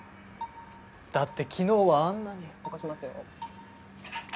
だって昨日はあんなに。起こしますよ。